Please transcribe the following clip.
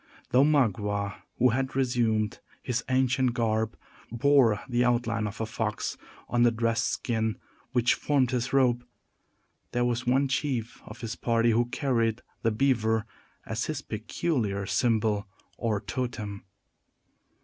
Though Magua, who had resumed his ancient garb, bore the outline of a fox on the dressed skin which formed his robe, there was one chief of his party who carried the beaver as his peculiar symbol, or "totem."